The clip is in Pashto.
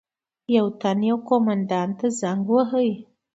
یو تن یو قومندان ته زنګ وهلو.